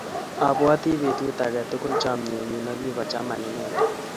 Abwoti betut age tugul chamnyenyi nikigochama inendet